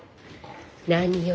何よ？